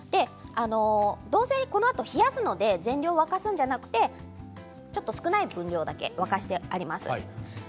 どうせこのあと冷やすので全量を沸かすのではなくてちょっと少ない分量だけ沸かしてあります。